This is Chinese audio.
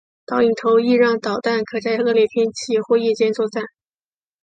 导引头亦让导弹可在恶劣天气或夜间作战。